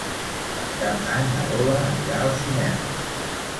Per Cap d'Any na Lola anirà al cinema.